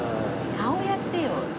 「顔やってよ！」。